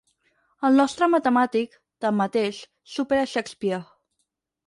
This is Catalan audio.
El nostre matemàtic, tanmateix, supera Shakespeare.